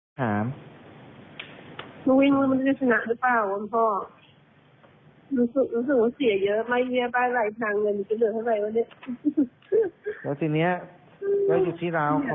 รู้ไม่ใช่เอาลืมมีลักษณะหรือเปล่าอ่างเพราะว่า